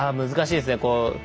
難しいですね。